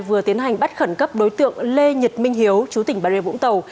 vừa tiến hành bắt khẩn cấp đối tượng lê nhật minh hiếu chú tỉnh bà rê vũng tàu